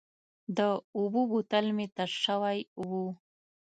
د اوبو بوتل مې تش شوی و.